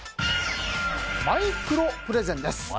マイクロプレゼンです。